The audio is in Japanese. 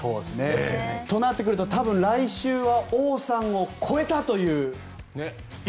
となってくると多分、来週は王さんを超えたという話が。